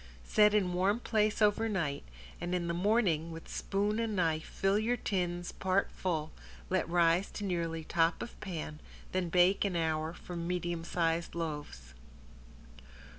Set in warm place over night, and in the morning with spoon and knife fill your tins part full, let rise to nearly top of pan, then bake an hour for medium size loaves.